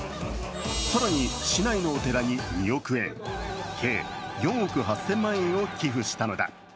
更に市内のお寺に２億円、計４億８０００万円を寄付したのだ。